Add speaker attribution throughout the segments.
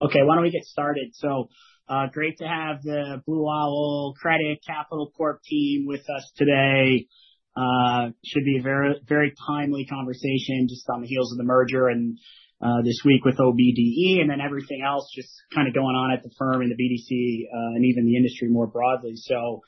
Speaker 1: Okay, why don't we get started. So, great to have the Blue Owl Capital Corp team with us today. Should be a very, very timely conversation just on the heels of the merger and, this week with OBDE and then everything else just kind of going on at the firm and the BDC, and even the industry more broadly. So,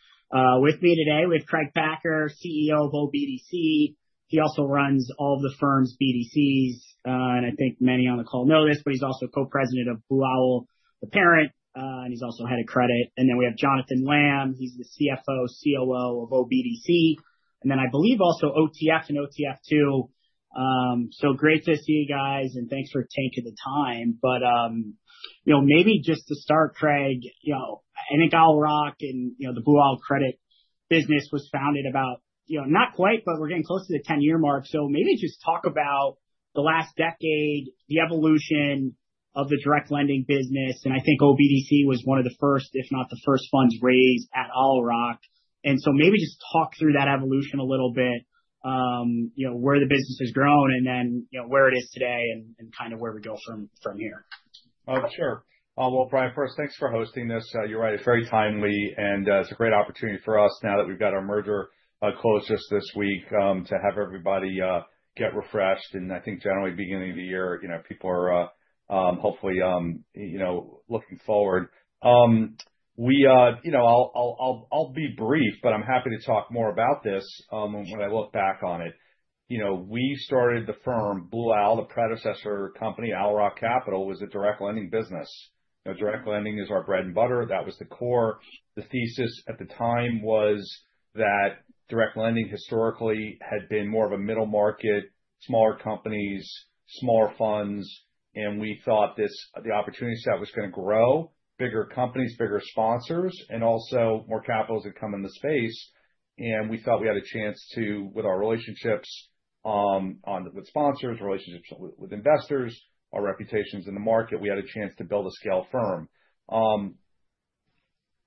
Speaker 1: with me today, we have Craig Packer, CEO of OBDC. He also runs all of the firm's BDCs, and I think many on the call know this, but he's also co-president of Blue Owl, the parent, and he's also head of credit. And then we have Jonathan Lamm. He's the CFO, COO of OBDC. And then I believe also OTF and OTF II. So great to see you guys and thanks for taking the time. You know, maybe just to start, Craig, you know, I think Owl Rock and, you know, the Blue Owl Credit business was founded about, you know, not quite, but we're getting close to the 10-year mark. So maybe just talk about the last decade, the evolution of the direct lending business. And I think OBDC was one of the first, if not the first funds raised at Owl Rock. And so maybe just talk through that evolution a little bit. You know, where the business has grown and then, you know, where it is today and kind of where we go from here.
Speaker 2: Oh, sure. Well, Brian first, thanks for hosting this. You're right, it's very timely and it's a great opportunity for us now that we've got our merger close just this week to have everybody get refreshed. I think generally beginning of the year, you know, people are hopefully looking forward. We, you know, I'll be brief, but I'm happy to talk more about this when I look back on it. You know, we started the firm, Blue Owl, the predecessor company, Owl Rock Capital, was a direct lending business. You know, direct lending is our bread and butter. That was the core. The thesis at the time was that direct lending historically had been more of a middle market, smaller companies, smaller funds. We thought this, the opportunity set was going to grow, bigger companies, bigger sponsors, and also more capitalists had come in the space. And we thought we had a chance to, with our relationships with sponsors, relationships with investors, our reputations in the market, we had a chance to build a scale firm.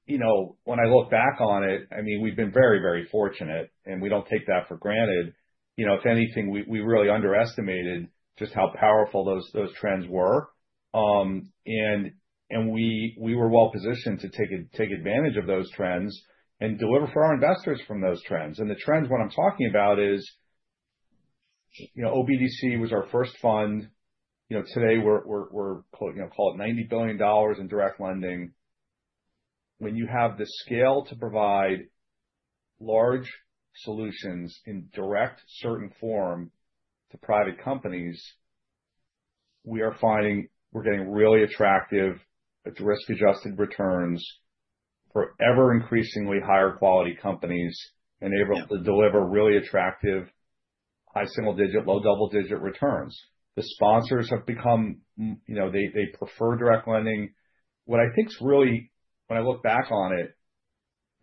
Speaker 2: You know, when I look back on it, I mean, we've been very, very fortunate and we don't take that for granted. You know, if anything, we really underestimated just how powerful those trends were. And we were well positioned to take advantage of those trends and deliver for our investors from those trends. And the trends, what I'm talking about is, you know, OBDC was our first fund. You know, today we're, you know, call it $90 billion in direct lending. When you have the scale to provide large solutions in direct, certain form to private companies, we are finding we're getting really attractive at risk-adjusted returns for ever-increasingly higher quality companies enabled to deliver really attractive high single-digit, low double-digit returns. The sponsors have become, you know, they prefer direct lending. What I think's really, when I look back on it,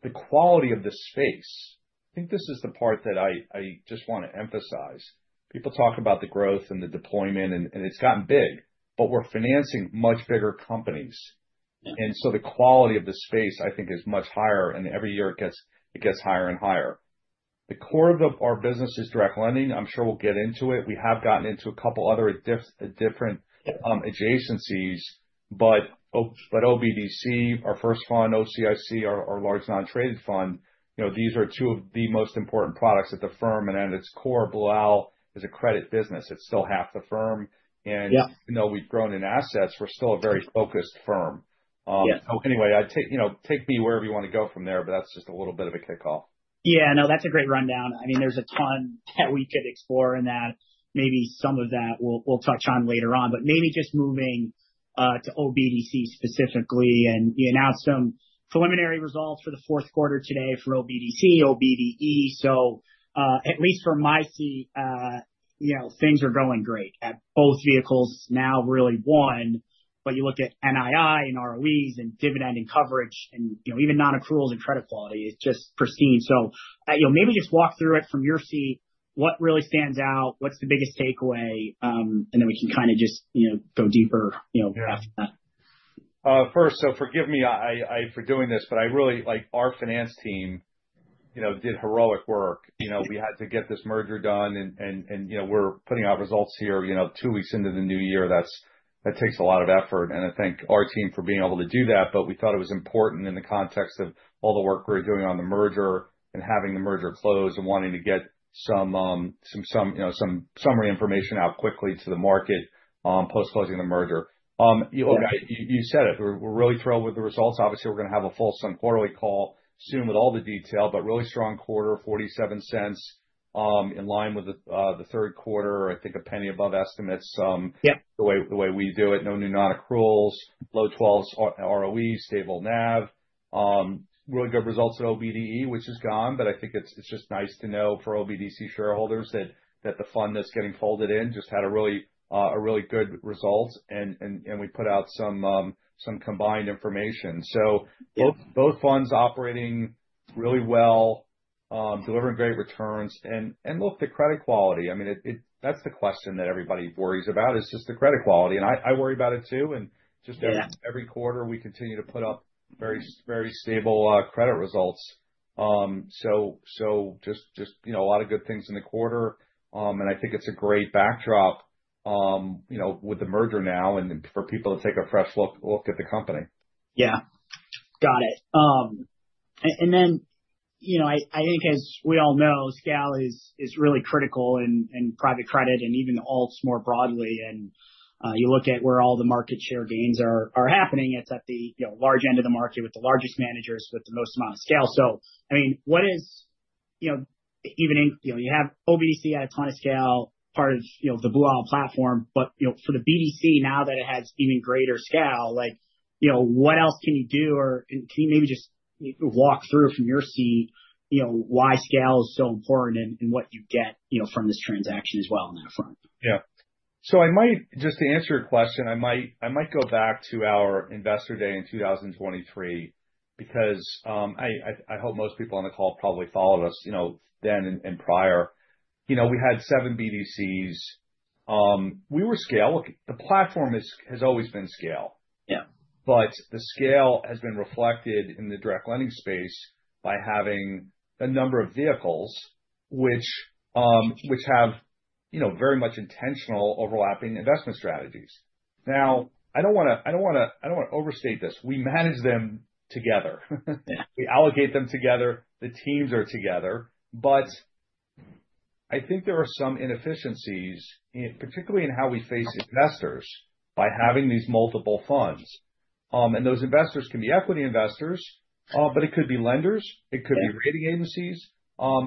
Speaker 2: the quality of the space, I think this is the part that I just want to emphasize. People talk about the growth and the deployment and it's gotten big, but we're financing much bigger companies. And so the quality of the space, I think, is much higher and every year it gets higher and higher. The core of our business is direct lending. I'm sure we'll get into it. We have gotten into a couple other different adjacencies. But OBDC, our first fund, OCIC, our large non-traded fund, you know, these are two of the most important products at the firm and at its core, Blue Owl is a credit business. It's still half the firm. And even though we've grown in assets, we're still a very focused firm. So anyway, take me wherever you want to go from there, but that's just a little bit of a kickoff.
Speaker 1: Yeah, no, that's a great rundown. I mean, there's a ton that we could explore in that. Maybe some of that we'll touch on later on, but maybe just moving to OBDC specifically and you announced some preliminary results for the fourth quarter today for OBDC, OBDE. So at least from my seat, you know, things are going great at both vehicles now really one. But you look at NII and ROEs and dividend and coverage and even non-accruals and credit quality, it's just pristine. So maybe just walk through it from your seat. What really stands out? What's the biggest takeaway? And then we can kind of just go deeper after that.
Speaker 2: First, so forgive me for doing this, but I really like our finance team. You know, did heroic work. You know, we had to get this merger done and, you know, we're putting out results here, you know, two weeks into the new year. That takes a lot of effort. And I thank our team for being able to do that, but we thought it was important in the context of all the work we were doing on the merger and having the merger closed and wanting to get some, you know, some summary information out quickly to the market post-closing the merger. Okay, you said it. We're really thrilled with the results. Obviously, we're going to have a full-sum quarterly call soon with all the detail, but really strong quarter, $0.47. In line with the third quarter, I think a penny above estimates. The way we do it, no new non-accruals, low 12 ROEs, stable NAV. Really good results at OBDE, which is gone, but I think it's just nice to know for OBDC shareholders that the fund that's getting folded in just had a really good result and we put out some combined information. So both funds operating really well, delivering great returns. And look, the credit quality, I mean, that's the question that everybody worries about is just the credit quality. And I worry about it too. And just every quarter, we continue to put up very, very stable credit results. So just, you know, a lot of good things in the quarter. And I think it's a great backdrop, you know, with the merger now and for people to take a fresh look at the company.
Speaker 1: Yeah. Got it. And then, you know, I think as we all know, scale is really critical in private credit and even the alts more broadly. And you look at where all the market share gains are happening, it's at the large end of the market with the largest managers with the most amount of scale. So, I mean, what is, you know, even, you know, you have OBDC at a ton of scale, part of, you know, the Blue Owl platform, but, you know, for the BDC now that it has even greater scale, like, you know, what else can you do or can you maybe just walk through from your seat, you know, why scale is so important and what you get, you know, from this transaction as well on that front.
Speaker 2: Yeah. So I might, just to answer your question, I might go back to our investor day in 2023. Because I hope most people on the call probably followed us, you know, then and prior. You know, we had 7 BDCs. We were scale. The platform has always been scale. Yeah, but the scale has been reflected in the direct lending space by having a number of vehicles, which have, you know, very much intentional overlapping investment strategies. Now, I don't want to, I don't want to, I don't want to overstate this. We manage them together. We allocate them together. The teams are together. But I think there are some inefficiencies, particularly in how we face investors by having these multiple funds. And those investors can be equity investors, but it could be lenders. It could be rating agencies.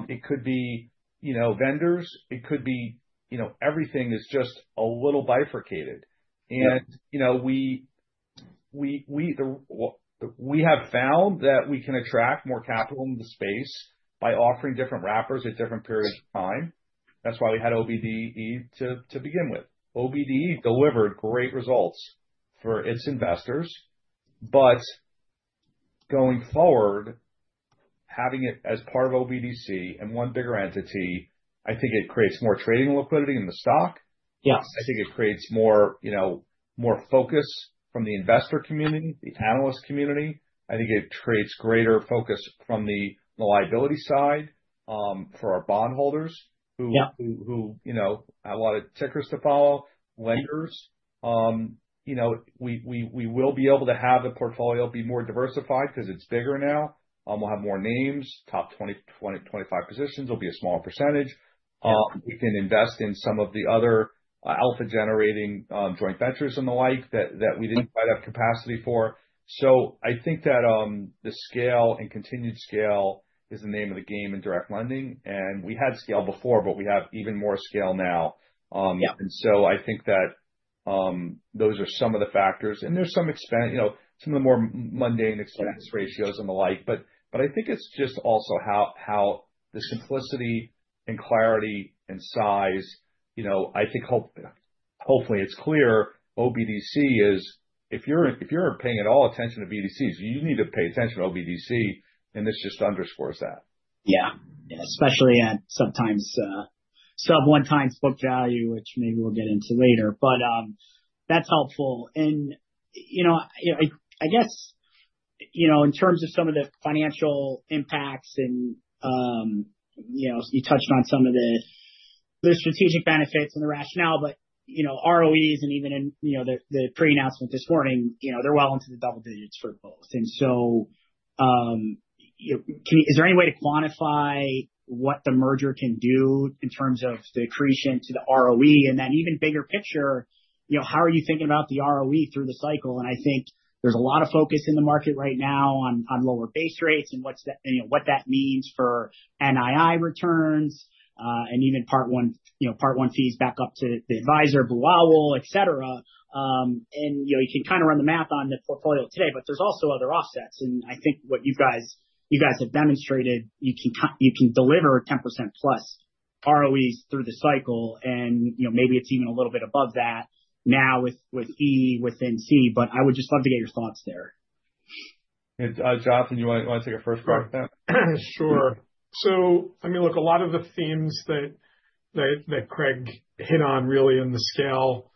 Speaker 2: It could be, you know, vendors. It could be, you know, everything is just a little bifurcated. And, you know, we have found that we can attract more capital in the space by offering different wrappers at different periods of time. That's why we had OBDE to begin with. OBDE delivered great results for its investors. But going forward, having it as part of OBDC and one bigger entity, I think it creates more trading liquidity in the stock. I think it creates more, you know, more focus from the investor community, the analyst community. I think it creates greater focus from the liability side for our bondholders who, you know, have a lot of tickers to follow, lenders. You know, we will be able to have the portfolio be more diversified because it's bigger now. We'll have more names, top 20, 25 positions. It'll be a smaller percentage. We can invest in some of the other alpha-generating joint ventures and the like that we didn't quite have capacity for. So I think that the scale and continued scale is the name of the game in direct lending. And we had scale before, but we have even more scale now. And so I think that those are some of the factors. And there's some expense, you know, some of the more mundane expense ratios and the like. But I think it's just also how the simplicity and clarity and size, you know, I think hopefully it's clear OBDC is if you're paying at all attention to BDCs, you need to pay attention to OBDC and this just underscores that.
Speaker 1: Yeah. Yeah, especially at sometimes sub-1x book value, which maybe we'll get into later. But that's helpful. And, you know, I guess, you know, in terms of some of the financial impacts and, you know, you touched on some of the strategic benefits and the rationale, but, you know, ROEs and even in, you know, the pre-announcement this morning, you know, they're well into the double digits for both. And so, you know, is there any way to quantify what the merger can do in terms of the accretion to the ROE and then even bigger picture, you know, how are you thinking about the ROE through the cycle? And I think there's a lot of focus in the market right now on lower base rates and what that means for NII returns and even part one, you know, Part I fees back up to the advisor, Blue Owl, etc. You know, you can kind of run the math on the portfolio today, but there's also other offsets. I think what you guys have demonstrated, you can deliver 10%+ ROEs through the cycle and, you know, maybe it's even a little bit above that now with E within C, but I would just love to get your thoughts there.
Speaker 2: Jonathan, do you want to take a first break?
Speaker 3: Sure. So I mean, look, a lot of the themes that Craig hit on really in the scale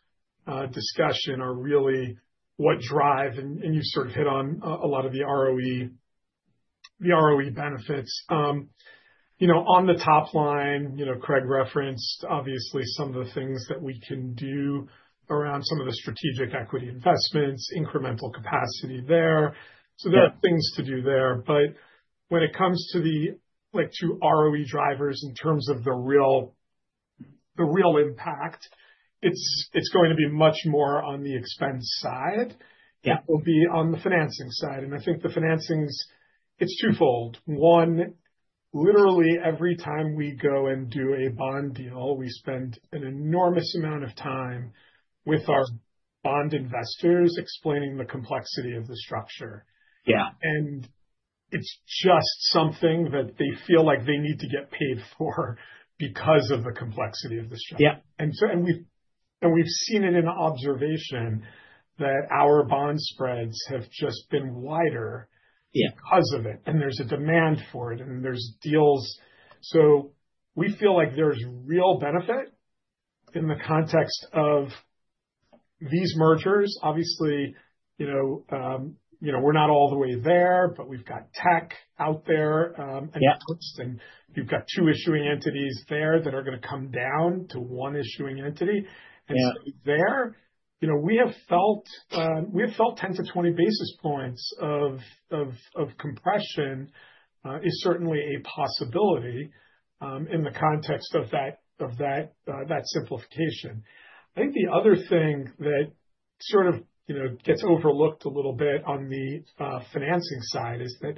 Speaker 3: discussion are really what drive, and you've sort of hit on a lot of the ROE benefits. You know, on the top line, you know, Craig referenced, obviously, some of the things that we can do around some of the strategic equity investments, incremental capacity there. So there are things to do there. But when it comes to the ROE drivers in terms of the real impact, it's going to be much more on the expense side. It will be on the financing side. And I think the financings, it's twofold. One, literally every time we go and do a bond deal, we spend an enormous amount of time with our bond investors explaining the complexity of the structure. Yeah, and it's just something that they feel like they need to get paid for because of the complexity of the structure. We've seen it in observation that our bond spreads have just been wider because of it. There's a demand for it and there's deals. We feel like there's real benefit in the context of these mergers. Obviously, you know, we're not all the way there, but we've got tech out there and you've got two issuing entities there that are going to come down to one issuing entity. So there, you know, we have felt 10-20 basis points of compression is certainly a possibility in the context of that simplification. I think the other thing that sort of gets overlooked a little bit on the financing side is that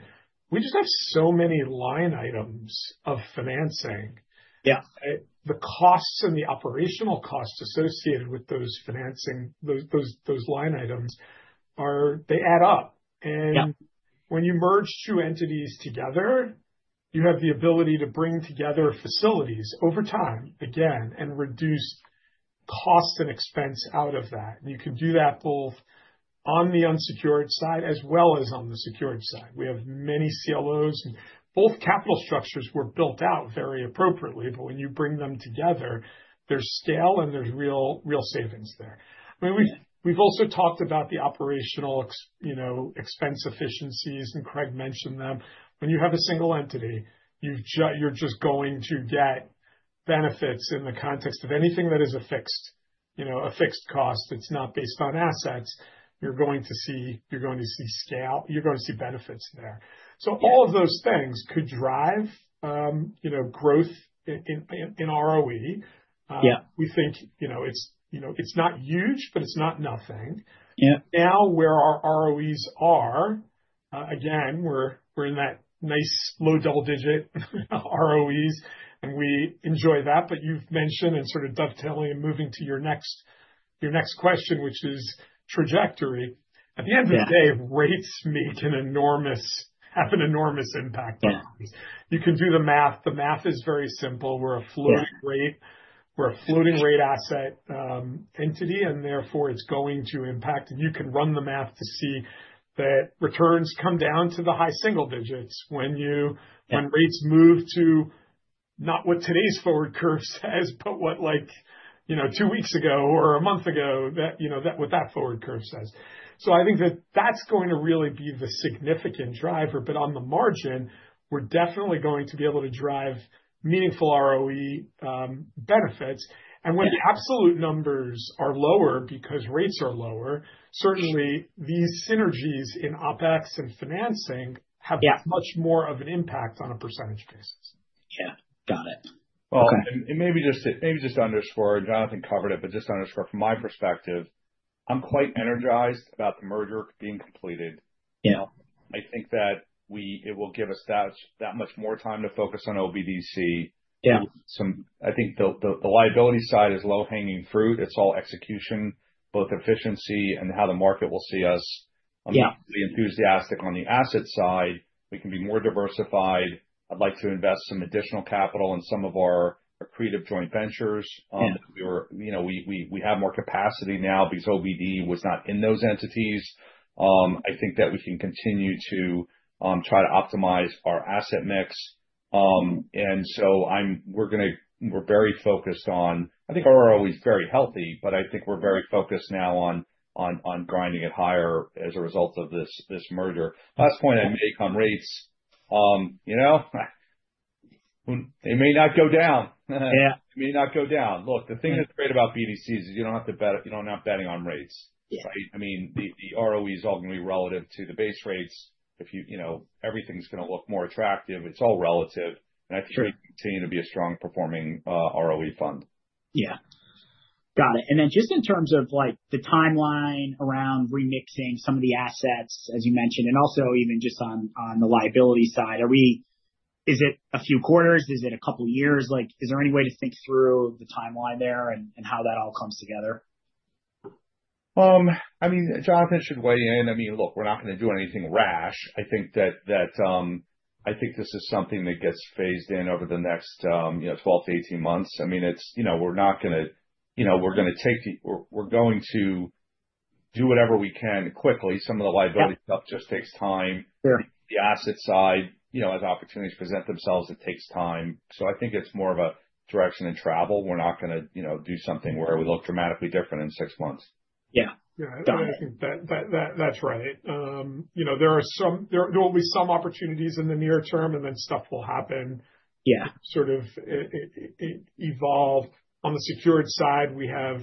Speaker 3: we just have so many line items of financing. Yeah, the costs and the operational costs associated with those line items, they add up. And when you merge two entities together, you have the ability to bring together facilities over time, again, and reduce cost and expense out of that. And you can do that both on the unsecured side as well as on the secured side. We have many CLOs. Both capital structures were built out very appropriately, but when you bring them together, there's scale and there's real savings there. I mean, we've also talked about the operational expense efficiencies and Craig mentioned them. When you have a single entity, you're just going to get benefits in the context of anything that is a fixed cost. It's not based on assets. You're going to see scale. You're going to see benefits there. So all of those things could drive growth in ROE. We think it's not huge, but it's not nothing. Now where our ROEs are, again, we're in that nice low double digit ROEs and we enjoy that. But you've mentioned and sort of dovetailing and moving to your next question, which is trajectory. At the end of the day, rates make an enormous, have an enormous impact on things. You can do the math. The math is very simple. We're a floating rate. We're a floating rate asset entity and therefore it's going to impact. And you can run the math to see that returns come down to the high single digits when rates move to not what today's forward curve says, but what, like, you know, two weeks ago or a month ago, that, you know, what that forward curve says. So I think that that's going to really be the significant driver. But on the margin, we're definitely going to be able to drive meaningful ROE benefits. And when absolute numbers are lower because rates are lower, certainly these synergies in OpEx and financing have much more of an impact on a percentage basis.
Speaker 1: Yeah. Got it.
Speaker 2: Well, and maybe just to underscore, Jonathan covered it, but just to underscore from my perspective, I'm quite energized about the merger being completed. You know, I think that it will give us that much more time to focus on OBDC. Yeah, I think the liability side is low-hanging fruit. It's all execution, both efficiency and how the market will see us. I'm enthusiastic on the asset side. We can be more diversified. I'd like to invest some additional capital in some of our creative joint ventures. We have, you know, more capacity now because OBDE was not in those entities. I think that we can continue to try to optimize our asset mix. And so we're going to, we're very focused on, I think our ROE is very healthy, but I think we're very focused now on grinding it higher as a result of this merger. Last point I make on rates, you know, they may not go down. Yeah, they may not go down. Look, the thing that's great about BDCs is you don't have to bet, you're not betting on rates. Right? I mean, the ROE is all going to be relative to the base rates. If you, you know, everything's going to look more attractive, it's all relative. And I think we continue to be a strong performing ROE fund.
Speaker 1: Yeah. Got it. And then just in terms of like the timeline around remixing some of the assets, as you mentioned, and also even just on the liability side, are we, is it a few quarters? Is it a couple of years? Like, is there any way to think through the timeline there and how that all comes together?
Speaker 2: I mean, Jonathan should weigh in. I mean, look, we're not going to do anything rash. I think that I think this is something that gets phased in over the next, you know, 12 to 18 months. I mean, it's, you know, we're not going to, you know, we're going to take the, we're going to do whatever we can quickly. Some of the liability stuff just takes time. The asset side, you know, as opportunities present themselves, it takes time. So I think it's more of a direction and travel. We're not going to, you know, do something where we look dramatically different in 6 months.
Speaker 3: Yeah. Yeah, I think that's right. You know, there will be some opportunities in the near term and then stuff will happen. Yeah, sort of evolve. On the secured side, we have,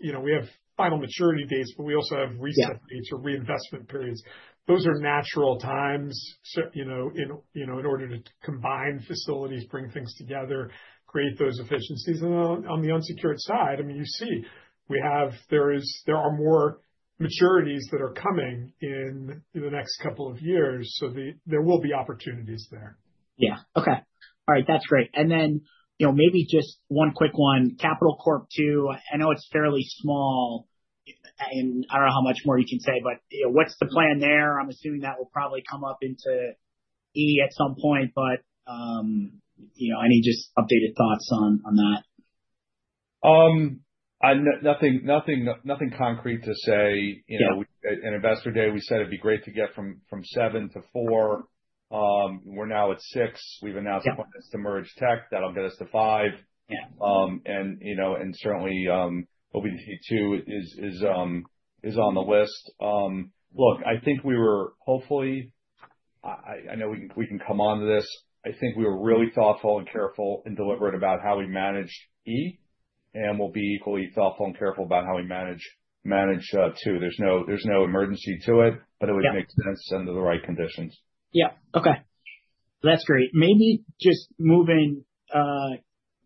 Speaker 3: you know, we have final maturity days, but we also have recently to reinvestment periods. Those are natural times, you know, you know, in order to combine facilities, bring things together, create those efficiencies. And on the unsecured side, I mean, you see, we have, there are more maturities that are coming in the next couple of years. So there will be opportunities there.
Speaker 1: Yeah. Okay. All right. That's great. And then, you know, maybe just one quick one, Capital Corp II, I know it's fairly small. And I don't know how much more you can say, but you know, what's the plan there? I'm assuming that will probably come up into OBDE at some point, but you know, any just updated thoughts on that?
Speaker 2: Nothing concrete to say. You know, an investor day, we said it'd be great to get from 7 to 4. We're now at 6. We've announced the plan is to merge tech. That'll get us to 5. And you know, and certainly OBDC II is on the list. Look, I think we were hopefully, I know we can come on to this. I think we were really thoughtful and careful and deliberate about how we managed E. And we'll be equally thoughtful and careful about how we manage 2. There's no emergency to it, but it would make sense under the right conditions.
Speaker 1: Yeah. Okay. That's great. Maybe just moving a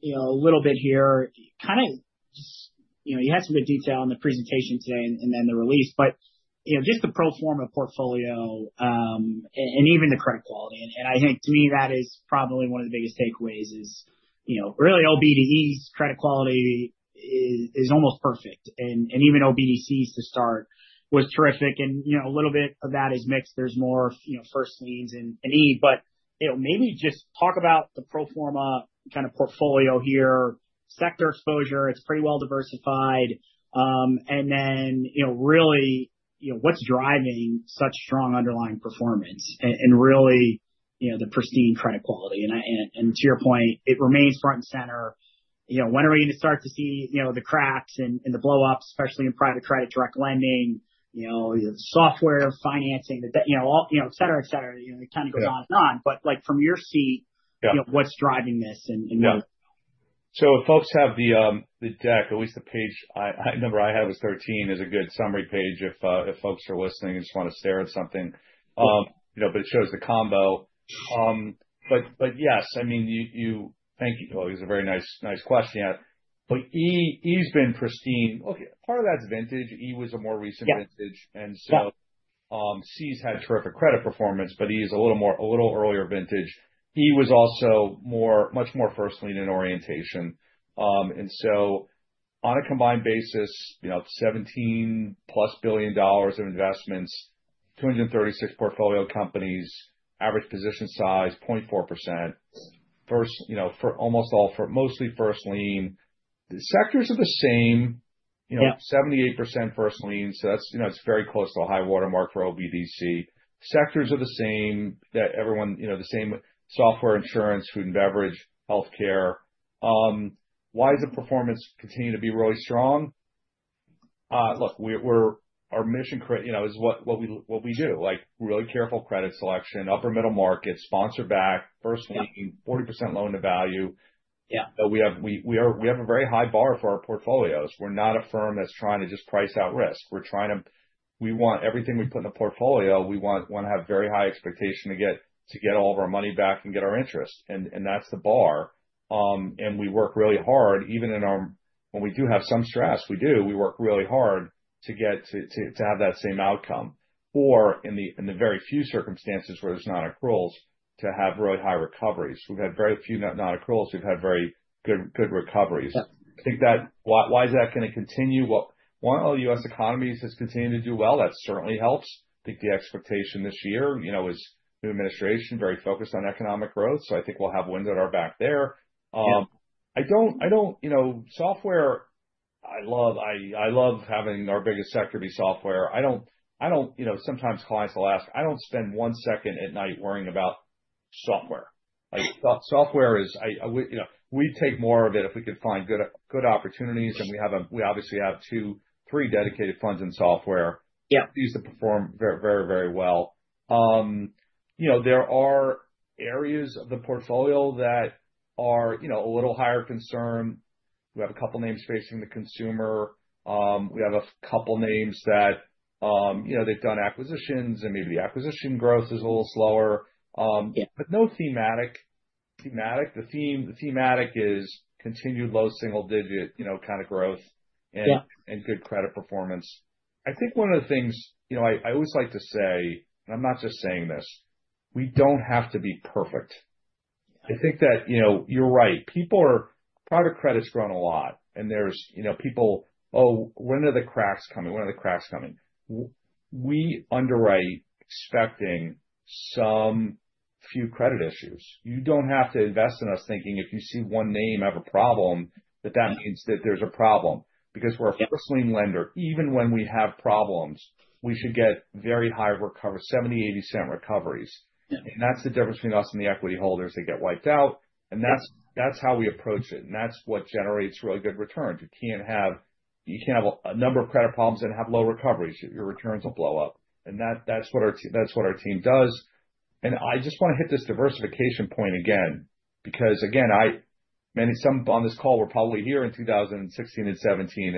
Speaker 1: little bit here, kind of just, you know, you had some good detail in the presentation today and then the release, but you know, just the pro forma portfolio and even the credit quality. And I think to me, that is probably one of the biggest takeaways is, you know, really OBDE's credit quality is almost perfect. And even OBDC's to start was terrific. And you know, a little bit of that is mixed. There's more, you know, first liens in E, but you know, maybe just talk about the pro forma kind of portfolio here. Sector exposure, it's pretty well diversified. And then, you know, really, you know, what's driving such strong underlying performance and really, you know, the pristine credit quality. And to your point, it remains front and center. You know, when are we going to start to see, you know, the cracks and the blowups, especially in private credit direct lending, you know, software financing, you know, et cetera, et cetera. You know, it kind of goes on and on. But like from your seat, you know, what's driving this and what?
Speaker 2: So if folks have the deck, at least the page number I have is 13, is a good summary page if folks are listening and just want to stare at something. You know, but it shows the combo. But yes, I mean, you, thank you. Oh, it was a very nice question yet. But E has been pristine. Okay. Part of that's vintage. E was a more recent vintage. And so C's had terrific credit performance, but E is a little more, a little earlier vintage. E was also more, much more first lien in orientation. And so on a combined basis, you know, $17+ billion of investments, 236 portfolio companies, average position size 0.4%. First, you know, for almost all, for mostly first lien. The sectors are the same, you know, 78% first lien. So that's, you know, it's very close to a high watermark for OBDC. Sectors are the same that everyone, you know, the same software, insurance, food and beverage, healthcare. Why does the performance continue to be really strong? Look, our mission, you know, is what we do. Like really careful credit selection, upper middle market, sponsor-backed, first lien, 40% loan-to-value. Yeah, we have a very high bar for our portfolios. We're not a firm that's trying to just price out risk. We're trying to, we want everything we put in the portfolio, we want to have very high expectation to get all of our money back and get our interest. And that's the bar. And we work really hard, even in our, when we do have some stress, we do, we work really hard to get to have that same outcome. Or in the very few circumstances where there's non-accruals, to have really high recoveries. We've had very few non-accruals. We've had very good recoveries. I think that, why is that going to continue? While the U.S. economy has continued to do well, that certainly helps. I think the expectation this year, you know, is new administration, very focused on economic growth. So I think we'll have wind at our back there. I don't, you know, software, I love, I love having our biggest sector be software. I don't, you know, sometimes clients will ask, I don't spend one second at night worrying about software. Like software is, you know, we'd take more of it if we could find good opportunities and we have a, we obviously have two, three dedicated funds in software. These perform very, very, very well. You know, there are areas of the portfolio that are, you know, a little higher concern. We have a couple of names facing the consumer. We have a couple of names that, you know, they've done acquisitions and maybe the acquisition growth is a little slower. But no thematic. The thematic is continued low single-digit, you know, kind of growth and good credit performance. I think one of the things, you know, I always like to say, and I'm not just saying this, we don't have to be perfect. I think that, you know, you're right. People are, private credit's grown a lot and there's, you know, people, oh, when are the cracks coming? When are the cracks coming? We underwrite expecting some few credit issues. You don't have to invest in us thinking if you see one name have a problem, that that means that there's a problem. Because we're a first-lien lender, even when we have problems, we should get very high recoveries, $0.70-$0.80 recoveries. And that's the difference between us and the equity holders that get wiped out. And that's how we approach it. And that's what generates really good returns. You can't have, you can't have a number of credit problems and have low recoveries. Your returns will blow up. And that's what our team does. And I just want to hit this diversification point again. Because again, I, many, some on this call were probably here in 2016 and 2017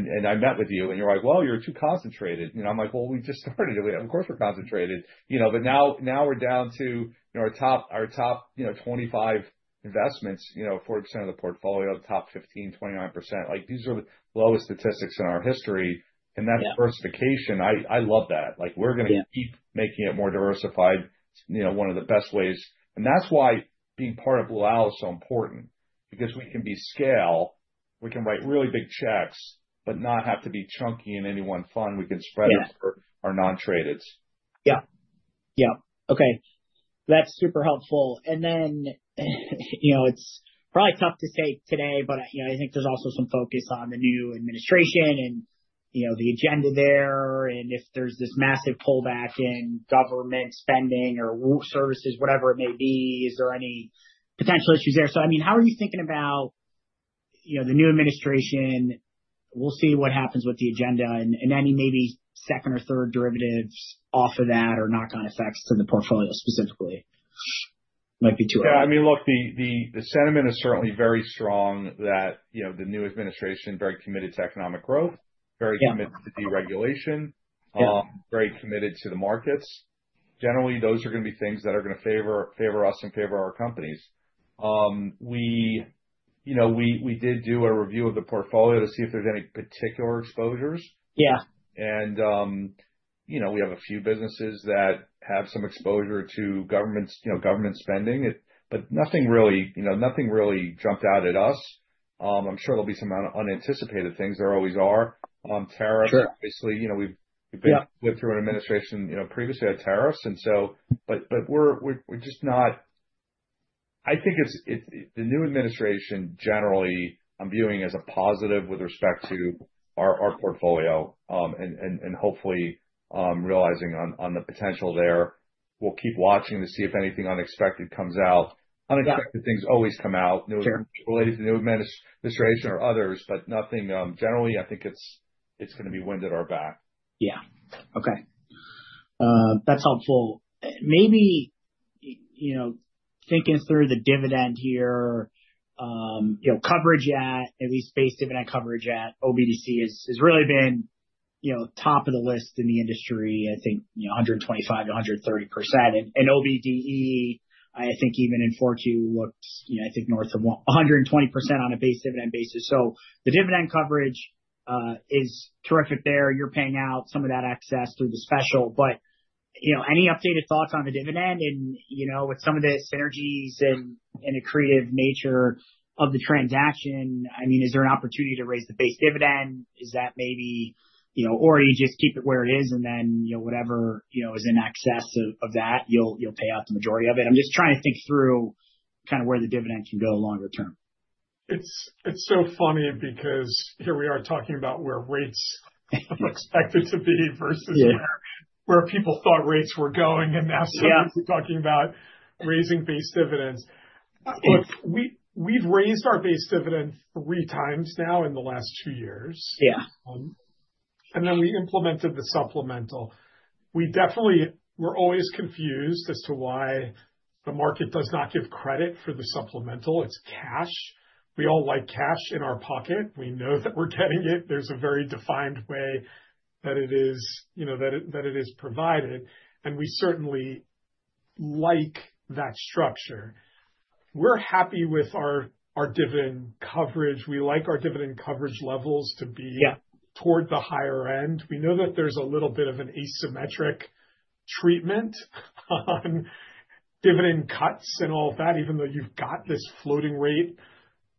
Speaker 2: and I met with you and you're like, well, you're too concentrated. You know, I'm like, well, we just started. Of course, we're concentrated. You know, but now we're down to, you know, our top, you know, 25 investments, you know, 40% of the portfolio, the top 15, 29%. Like these are the lowest statistics in our history. And that diversification, I love that. Like we're going to keep making it more diversified, you know, one of the best ways. That's why being part of Blue Owl is so important. Because we can be scale, we can write really big checks, but not have to be chunky in any one fund. We can spread it for our non-tradeds.
Speaker 1: Yeah. Yeah. Okay. That's super helpful. And then, you know, it's probably tough to say today, but you know, I think there's also some focus on the new administration and, you know, the agenda there and if there's this massive pullback in government spending or services, whatever it may be, is there any potential issues there? So, I mean, how are you thinking about, you know, the new administration? We'll see what happens with the agenda and any maybe second or third derivatives off of that or knock-on effects to the portfolio specifically. Might be too early.
Speaker 2: Yeah. I mean, look, the sentiment is certainly very strong that, you know, the new administration, very committed to economic growth, very committed to deregulation, very committed to the markets. Generally, those are going to be things that are going to favor us and favor our companies. We, you know, we did do a review of the portfolio to see if there's any particular exposures. Yeah. We have a few businesses that have some exposure to government, you know, government spending, but nothing really, you know, nothing really jumped out at us. I'm sure there'll be some unanticipated things. There always are. Tariffs, obviously, you know, we've been through an administration, you know, previously had tariffs. And so, but we're just not. I think it's the new administration generally. I'm viewing as a positive with respect to our portfolio and hopefully realizing on the potential there. We'll keep watching to see if anything unexpected comes out. Unexpected things always come out related to the new administration or others, but nothing generally. I think it's going to be wind at our back.
Speaker 1: Yeah. Okay. That's helpful. Maybe, you know, thinking through the dividend here, you know, coverage at, at least base dividend coverage at OBDC has really been, you know, top of the list in the industry. I think, you know, 125%-130%. And OBDE, I think even in Fortune looked, you know, I think north of 120% on a base dividend basis. So the dividend coverage is terrific there. You're paying out some of that excess through the special. But, you know, any updated thoughts on the dividend and, you know, with some of the synergies and the creative nature of the transaction, I mean, is there an opportunity to raise the base dividend? Is that maybe, you know, or you just keep it where it is and then, you know, whatever, you know, is in excess of that, you'll pay out the majority of it? I'm just trying to think through kind of where the dividend can go longer term.
Speaker 3: It's so funny because here we are talking about where rates are expected to be versus where people thought rates were going and now suddenly we're talking about raising base dividends. Look, we've raised our base dividend three times now in the last two years. Yeah. And then we implemented the supplemental. We definitely were always confused as to why the market does not give credit for the supplemental. It's cash. We all like cash in our pocket. We know that we're getting it. There's a very defined way that it is, you know, that it is provided. And we certainly like that structure. We're happy with our dividend coverage. We like our dividend coverage levels to be toward the higher end. We know that there's a little bit of an asymmetric treatment on dividend cuts and all of that, even though you've got this floating rate,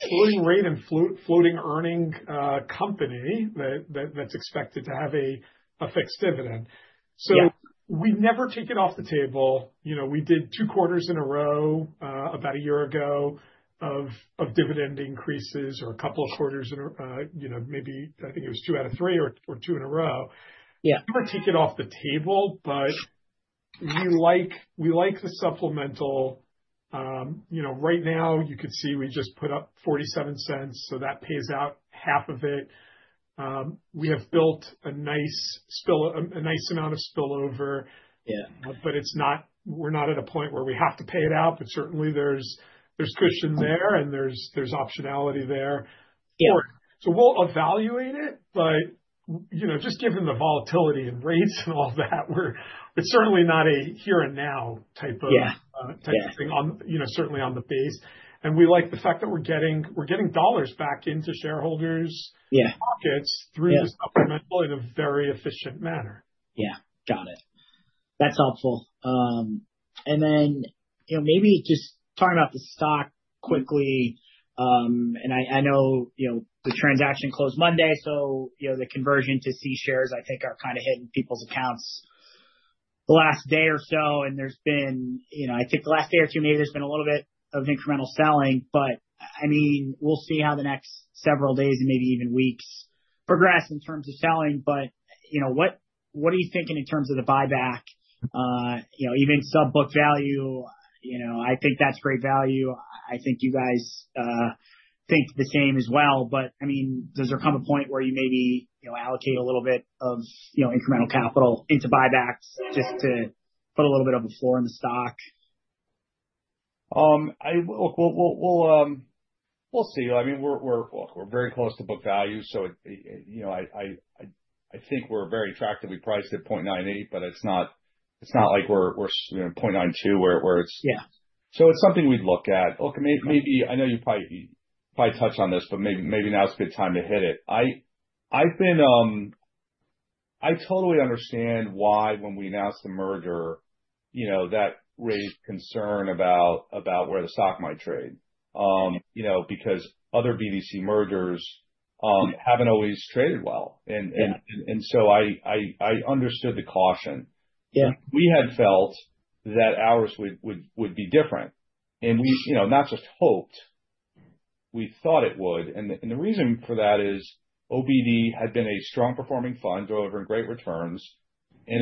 Speaker 3: floating rate and floating earning company that's expected to have a fixed dividend. So we never take it off the table. You know, we did two quarters in a row about a year ago of dividend increases or a couple of quarters in a, you know, maybe I think it was two out of three or two in a row. Yeah. Never take it off the table, but we like the supplemental. You know, right now, you could see we just put up $0.47. So that pays out half of it. We have built a nice amount of spillover. Yeah. But it's not, we're not at a point where we have to pay it out, but certainly there's cushion there and there's optionality there. So we'll evaluate it, but you know, just given the volatility and rates and all that, it's certainly not a here and now type of thing, you know, certainly on the base. And we like the fact that we're getting dollars back into shareholders' pockets through the supplemental in a very efficient manner.
Speaker 1: Yeah. Got it. That's helpful. And then, you know, maybe just talking about the stock quickly. And I know, you know, the transaction closed Monday. So, you know, the conversion to C shares, I think, are kind of hitting people's accounts the last day or so. And there's been, you know, I think the last day or two, maybe there's been a little bit of incremental selling, but I mean, we'll see how the next several days and maybe even weeks progress in terms of selling. But, you know, what are you thinking in terms of the buyback? You know, even sub-book value, you know, I think that's great value. I think you guys think the same as well. But I mean, does there come a point where you maybe, you know, allocate a little bit of, you know, incremental capital into buybacks just to put a little bit of a floor in the stock?
Speaker 2: Look, we'll see. I mean, we're very close to book value. So, you know, I think we're very attractively priced at 0.98, but it's not like we're 0.92 where it's... So it's something we'd look at. Look, maybe, I know you probably touched on this, but maybe now's a good time to hit it. I totally understand why when we announced the merger, you know, that raised concern about where the stock might trade. You know, because other BDC mergers haven't always traded well. And so I understood the caution. We had felt that ours would be different. And we, you know, not just hoped, we thought it would. And the reason for that is OBDC had been a strong performing fund, drove over in great returns. And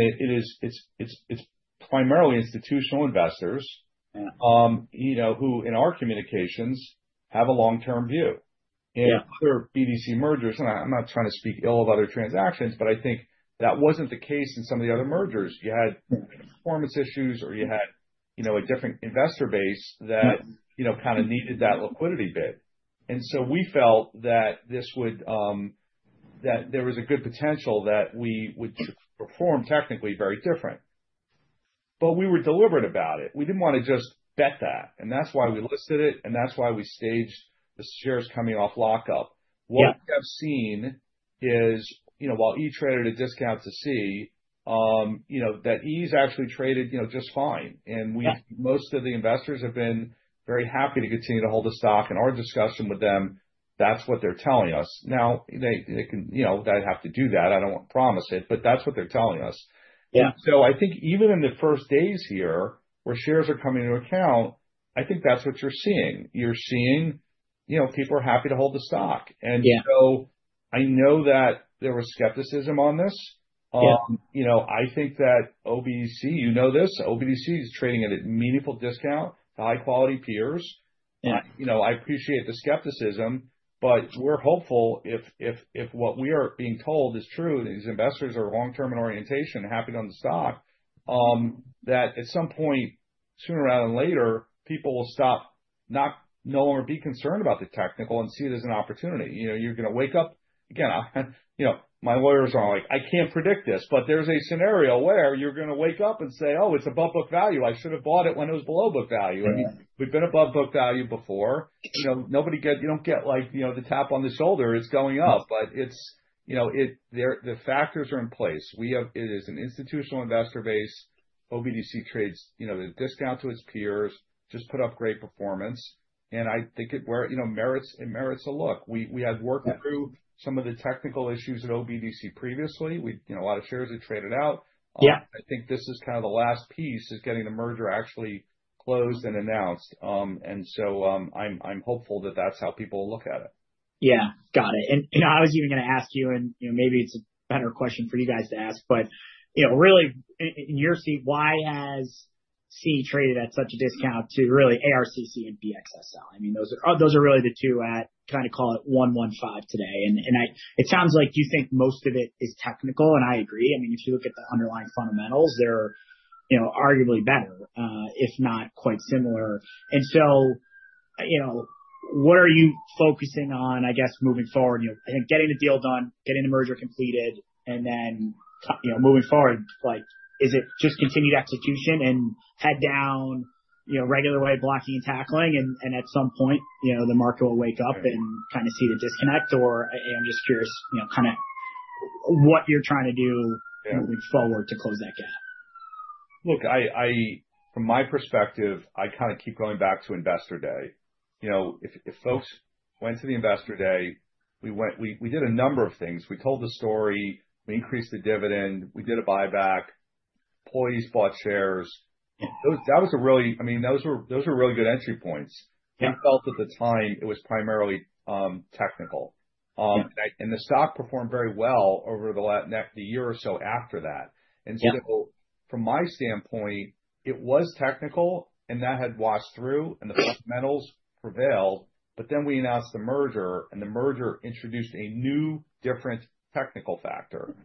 Speaker 2: it's primarily institutional investors, you know, who in our communications have a long-term view. And other BDC mergers, and I'm not trying to speak ill of other transactions, but I think that wasn't the case in some of the other mergers. You had performance issues or you had, you know, a different investor base that, you know, kind of needed that liquidity bid. And so we felt that this would, that there was a good potential that we would perform technically very different. But we were deliberate about it. We didn't want to just bet that. And that's why we listed it and that's why we staged the shares coming off lockup. What we have seen is, you know, while E traded a discount to C, you know, that E's actually traded, you know, just fine. And most of the investors have been very happy to continue to hold the stock. And our discussion with them, that's what they're telling us. Now, they can, you know, they have to do that. I don't want to promise it, but that's what they're telling us. And so I think even in the first days here where shares are coming into account, I think that's what you're seeing. You're seeing, you know, people are happy to hold the stock. And so I know that there was skepticism on this. You know, I think that OBDC, you know this, OBDC is trading at a meaningful discount to high-quality peers. You know, I appreciate the skepticism, but we're hopeful if what we are being told is true and these investors are long-term in orientation, happy on the stock, that at some point, sooner rather than later, people will stop, no longer be concerned about the technical and see it as an opportunity. You know, you're going to wake up. Again, you know, my lawyers are like, I can't predict this, but there's a scenario where you're going to wake up and say, oh, it's above book value. I mean, we've been above book value before. You know, nobody gets, you don't get like, you know, the tap on the shoulder. It's going up, but it's, you know, the factors are in place. We have, it is an institutional investor base. OBDC trades, you know, the discount to its peers, just put up great performance. And I think it were, you know, merits a look. We had worked through some of the technical issues at OBDC previously. We, you know, a lot of shares had traded out. I think this is kind of the last piece is getting the merger actually closed and announced. I'm hopeful that that's how people will look at it.
Speaker 1: Yeah. Got it. And you know, I was even going to ask you, and you know, maybe it's a better question for you guys to ask, but you know, really in your seat, why has C traded at such a discount to really ARCC and BXSL? I mean, those are really the two at, kind of call it 115 today. And it sounds like you think most of it is technical. And I agree. I mean, if you look at the underlying fundamentals, they're, you know, arguably better, if not quite similar. And so, you know, what are you focusing on, I guess, moving forward? You know, I think getting the deal done, getting the merger completed, and then, you know, moving forward, like, is it just continued execution and head down, you know, regular way blocking and tackling, and at some point, you know, the market will wake up and kind of see the disconnect? Or I'm just curious, you know, kind of what you're trying to do moving forward to close that gap.
Speaker 2: Look, I, from my perspective, I kind of keep going back to investor day. You know, if folks went to the investor day, we went, we did a number of things. We told the story. We increased the dividend. We did a buyback. Employees bought shares. That was a really, I mean, those were really good entry points. We felt at the time it was primarily technical. And the stock performed very well over the year or so after that. And so from my standpoint, it was technical and that had washed through and the fundamentals prevailed. But then we announced the merger and the merger introduced a new, different technical factor.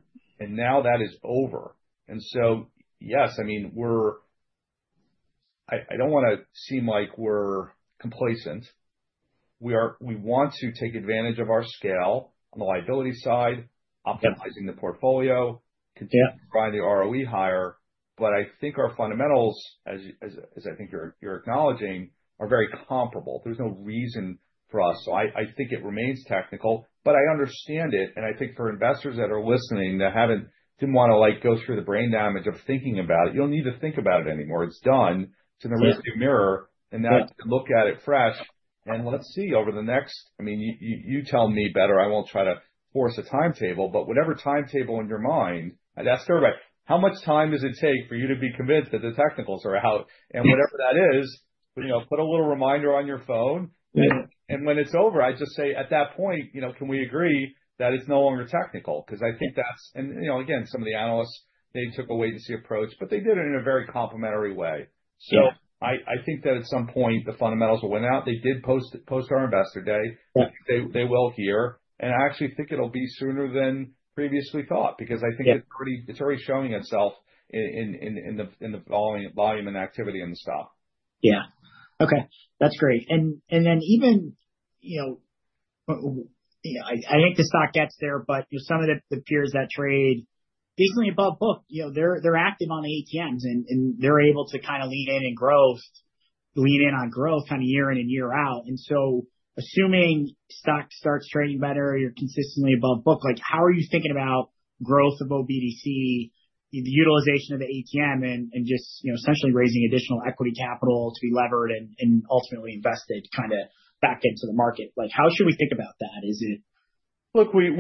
Speaker 2: And now that is over. And so yes, I mean, we're, I don't want to seem like we're complacent. We want to take advantage of our scale on the liability side, optimizing the portfolio, continue to grind the ROE higher. But I think our fundamentals, as I think you're acknowledging, are very comparable. There's no reason for us. So I think it remains technical, but I understand it. And I think for investors that are listening that didn't want to go through the brain damage of thinking about it, you don't need to think about it anymore. It's done. It's in the rearview mirror. And that's to look at it fresh. And let's see over the next, I mean, you tell me better. I won't try to force a timetable, but whatever timetable in your mind, that's terrific. How much time does it take for you to be convinced that the technicals are out? And whatever that is, you know, put a little reminder on your phone. And when it's over, I just say at that point, you know, can we agree that it's no longer technical? Because I think that's, and you know, again, some of the analysts, they took a wait-and-see approach, but they did it in a very complimentary way. So I think that at some point, the fundamentals will win out. They did post our investor day. I think they will here. And I actually think it'll be sooner than previously thought because I think it's already showing itself in the volume and activity in the stock.
Speaker 1: Yeah. Okay. That's great. And then even, you know, I think the stock gets there, but some of the peers that trade decently above book, you know, they're active on the ATMs and they're able to kind of lean in and growth, lean in on growth kind of year in and year out. And so assuming stock starts trading better, you're consistently above book, like how are you thinking about growth of OBDC, the utilization of the ATM, and just essentially raising additional equity capital to be levered and ultimately invested kind of back into the market? Like how should we think about that? Is it?
Speaker 2: Look, we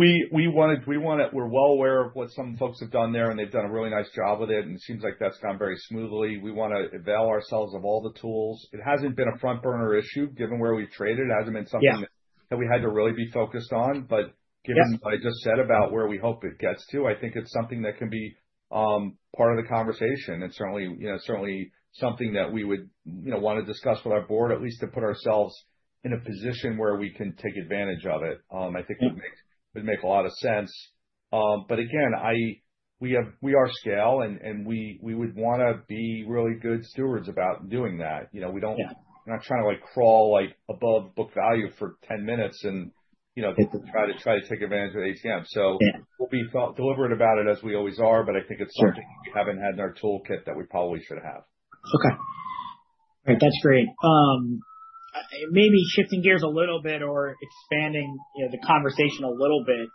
Speaker 2: want it. We're well aware of what some folks have done there and they've done a really nice job with it and it seems like that's gone very smoothly. We want to avail ourselves of all the tools. It hasn't been a front burner issue given where we've traded. It hasn't been something that we had to really be focused on. But given what I just said about where we hope it gets to, I think it's something that can be part of the conversation. And certainly, you know, certainly something that we would, you know, want to discuss with our board, at least to put ourselves in a position where we can take advantage of it. I think it would make a lot of sense. But again, we are scale and we would want to be really good stewards about doing that. You know, we're not trying to crawl above book value for 10 minutes and, you know, try to take advantage of the ATM. So we'll be deliberate about it as we always are, but I think it's something we haven't had in our toolkit that we probably should have.
Speaker 1: Okay. All right. That's great. Maybe shifting gears a little bit or expanding the conversation a little bit.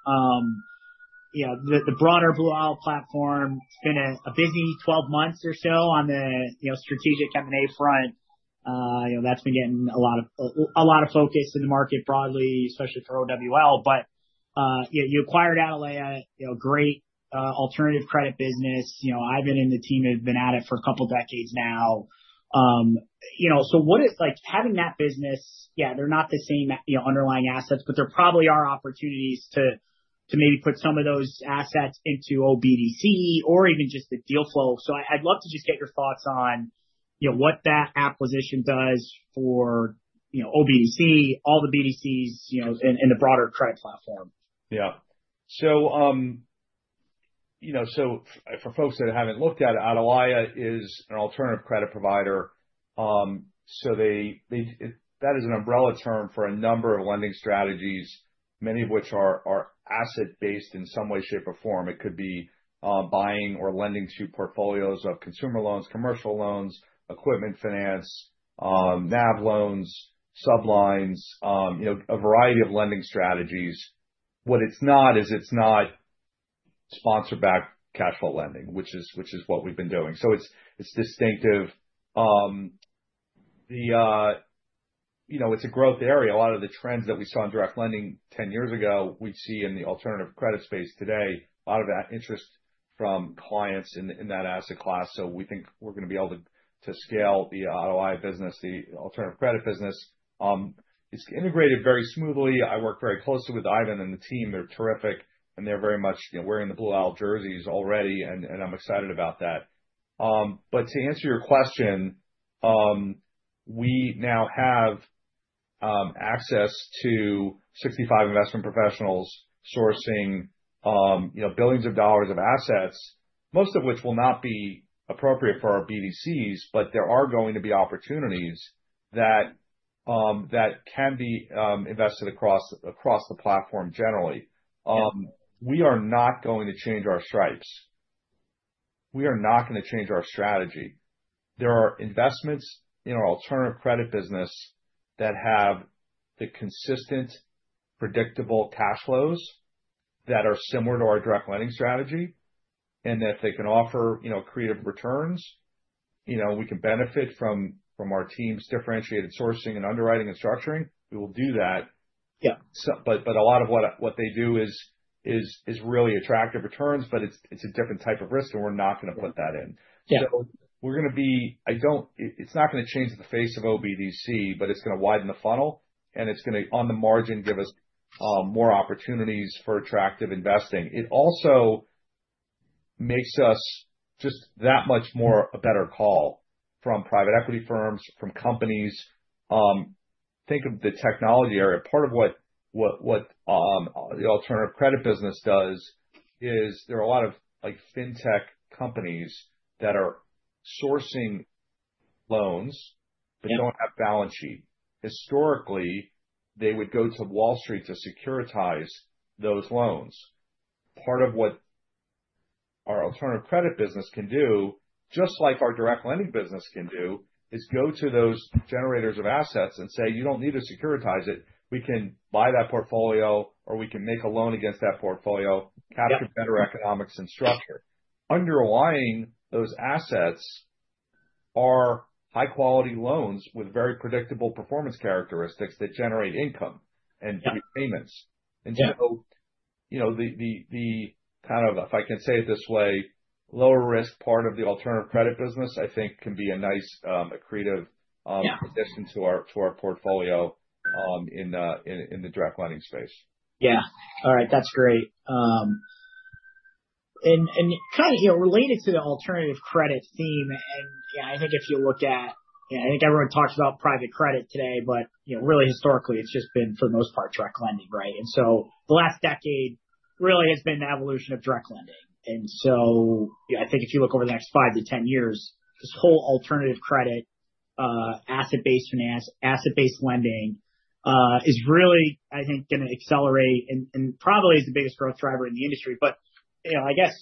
Speaker 1: You know, the broader Blue Owl platform, it's been a busy 12 months or so on the strategic M&A front. You know, that's been getting a lot of focus in the market broadly, especially for OWL. But you acquired Atalaya, a great alternative credit business. You know, I've been in the team, I've been at it for a couple of decades now. You know, so what is like having that business? Yeah, they're not the same underlying assets, but there probably are opportunities to maybe put some of those assets into OBDC or even just the deal flow. So I'd love to just get your thoughts on what that acquisition does for OBDC, all the BDCs in the broader credit platform.
Speaker 2: Yeah. So, you know, so for folks that haven't looked at it, Atalaya is an alternative credit provider. So that is an umbrella term for a number of lending strategies, many of which are asset-based in some way, shape, or form. It could be buying or lending to portfolios of consumer loans, commercial loans, equipment finance, NAV loans, sublines, you know, a variety of lending strategies. What it's not is it's not sponsor-backed cash flow lending, which is what we've been doing. So it's distinctive. You know, it's a growth area. A lot of the trends that we saw in direct lending 10 years ago, we'd see in the alternative credit space today, a lot of that interest from clients in that asset class. So we think we're going to be able to scale the ROI business, the alternative credit business. It's integrated very smoothly. I work very closely with Ivan and the team. They're terrific. They're very much, you know, wearing the Blue Owl jerseys already. I'm excited about that. But to answer your question, we now have access to 65 investment professionals sourcing, you know, billions of dollars of assets, most of which will not be appropriate for our BDCs, but there are going to be opportunities that can be invested across the platform generally. We are not going to change our stripes. We are not going to change our strategy. There are investments in our alternative credit business that have the consistent, predictable cash flows that are similar to our direct lending strategy. And if they can offer, you know, creative returns, you know, we can benefit from our team's differentiated sourcing and underwriting and structuring. We will do that. Yeah, but a lot of what they do is really attractive returns, but it's a different type of risk and we're not going to put that in. So we're going to be, I don't, it's not going to change the face of OBDC, but it's going to widen the funnel. And it's going to, on the margin, give us more opportunities for attractive investing. It also makes us just that much more a better call from private equity firms, from companies. Think of the technology area. Part of what the alternative credit business does is there are a lot of fintech companies that are sourcing loans, but don't have balance sheet. Historically, they would go to Wall Street to securitize those loans. Part of what our alternative credit business can do, just like our direct lending business can do, is go to those generators of assets and say, you don't need to securitize it. We can buy that portfolio or we can make a loan against that portfolio, capture better economics and structure. Underlying those assets are high-quality loans with very predictable performance characteristics that generate income and payments. And so, you know, the kind of, if I can say it this way, lower-risk part of the alternative credit business, I think, can be a nice, a creative addition to our portfolio in the direct lending space.
Speaker 1: Yeah. All right. That's great. And kind of, you know, related to the alternative credit theme, and yeah, I think if you look at, you know, I think everyone talks about private credit today, but you know, really historically, it's just been for the most part direct lending, right? And so the last decade really has been the evolution of direct lending. And so I think if you look over the next 5-10 years, this whole alternative credit, asset-based finance, asset-based lending is really, I think, going to accelerate and probably is the biggest growth driver in the industry. But you know, I guess,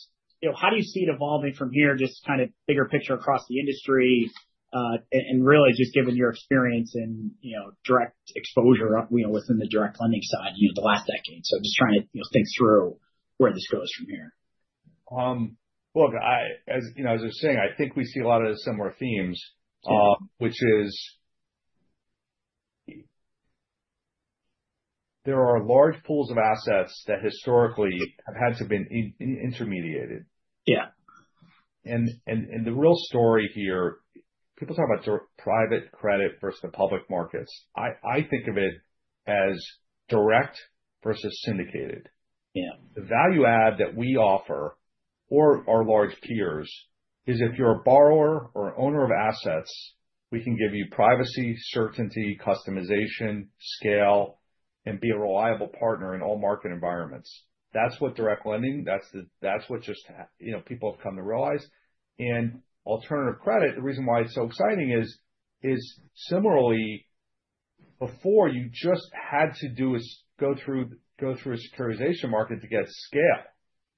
Speaker 1: you know, how do you see it evolving from here, just kind of bigger picture across the industry? And really just given your experience and, you know, direct exposure, you know, within the direct lending side, you know, the last decade. Just trying to, you know, think through where this goes from here.
Speaker 2: Look, as you know, as I was saying, I think we see a lot of similar themes, which is there are large pools of assets that historically have had to be intermediated. Yeah. And the real story here, people talk about private credit versus the public markets. I think of it as direct versus syndicated. Yeah. The value add that we offer or our large peers is if you're a borrower or an owner of assets, we can give you privacy, certainty, customization, scale, and be a reliable partner in all market environments. That's what direct lending, that's what just, you know, people have come to realize. And alternative credit, the reason why it's so exciting is, similarly, before you just had to do is go through a securitization market to get scale.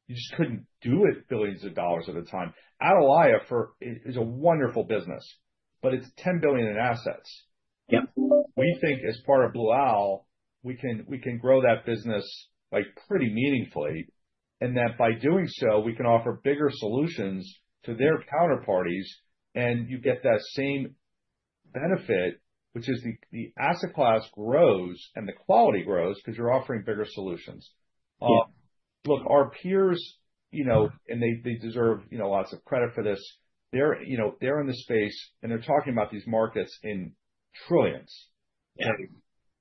Speaker 2: You just couldn't do it $ billions at a time. Atalaya is a wonderful business, but it's $10 billion in assets. Yeah. We think as part of Blue Owl, we can grow that business like pretty meaningfully. And that by doing so, we can offer bigger solutions to their counterparties and you get that same benefit, which is the asset class grows and the quality grows because you're offering bigger solutions. Yeah. Look, our peers, you know, and they deserve, you know, lots of credit for this. They're, you know, they're in the space and they're talking about these markets in trillions. Yeah.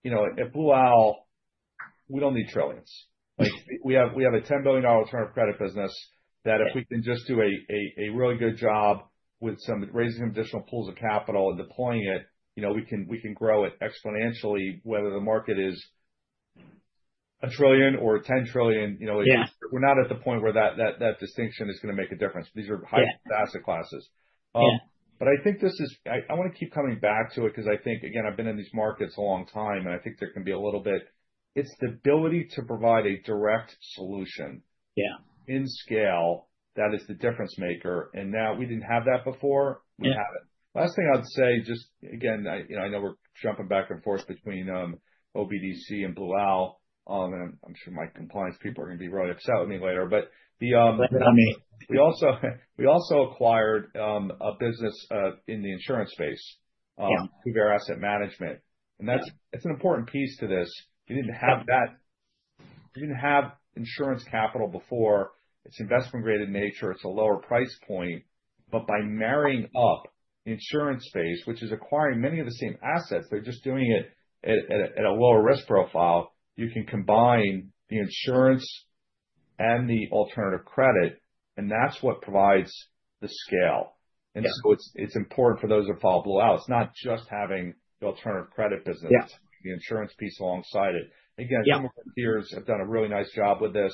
Speaker 2: You know, at Blue Owl, we don't need trillions. Like we have a $10 billion alternative credit business that if we can just do a really good job with some raising some additional pools of capital and deploying it, you know, we can grow it exponentially, whether the market is a trillion or 10 trillion. You know, we're not at the point where that distinction is going to make a difference. These are high-asset classes. Yeah. But I think this is, I want to keep coming back to it because I think, again, I've been in these markets a long time and I think there can be a little bit, it's the ability to provide a direct solution. Yeah. In scale, that is the difference maker. And now we didn't have that before. We have it. Last thing I'd say, just again, you know, I know we're jumping back and forth between OBDC and Blue Owl. And I'm sure my compliance people are going to be really upset with me later. But the, we also acquired a business in the insurance space, Kuvare Asset Management. And that's an important piece to this. We didn't have that. We didn't have insurance capital before. It's investment-grade nature. It's a lower price point. But by marrying up the insurance space, which is acquiring many of the same assets, they're just doing it at a lower risk profile. You can combine the insurance and the alternative credit. And that's what provides the scale. And so it's important for those who follow Blue Owl. It's not just having the alternative credit business. It's having the insurance piece alongside it. Again, some of our peers have done a really nice job with this.